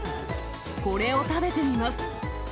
これを食べてみます。